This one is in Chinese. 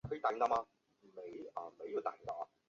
后来该路又向北延长至北京二环路东便门桥南侧。